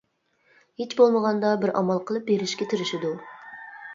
ھېچ بولمىغاندا بىر ئامال قىلىپ بېرىشكە تىرىشىدۇ.